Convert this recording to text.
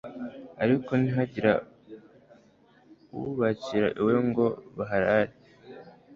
ariko ntihagira ubakira iwe ngo baharare